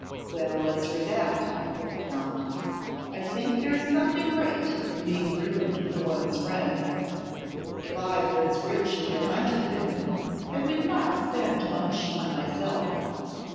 'Well, as for that,' said the Count, 'I think there is something great in being ruined for one's friends. If I were as rich as I might have been, I would not spend much on myself.